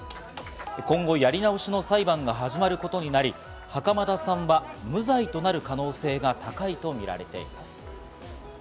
今後、やり直しの裁判が始まることになり、袴田さんは無罪となる可能性が高いとみられています。